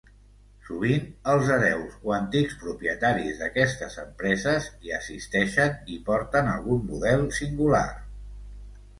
Sovint, els hereus o antics propietaris d'aquestes empreses hi assisteixen hi porten algun model singular.